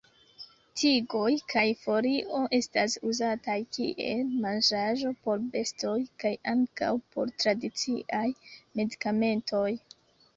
Tigoj kaj folio estas uzataj kiel manĝaĵo por bestoj kaj ankaŭ por tradiciaj medikamentoj.